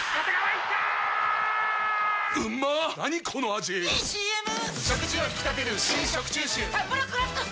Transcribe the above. ⁉いいＣＭ！！